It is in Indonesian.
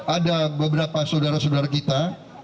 ada beberapa saudara saudara kita